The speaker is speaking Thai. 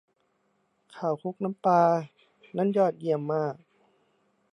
ข้าวคลุกน้ำปลา นั้นยอดเยี่ยมมาก